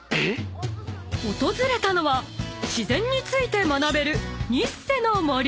［訪れたのは自然について学べる］